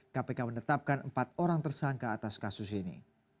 kpk menetapkan empat orang tersangka atas kasus ini